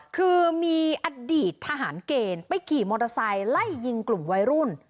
คือมีอดีตทหารเกณฑ์ไปขี่มอเตอร์ไซค์ไล่ยิงกลุ่มวัยรุ่น